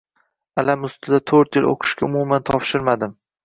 Alam ustida to`rt yil o`qishga umuman topshirmadim